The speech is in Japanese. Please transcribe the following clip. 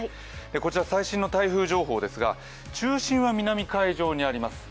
こちら最新の台風情報ですが中心は南海上にあります。